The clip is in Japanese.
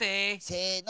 せの！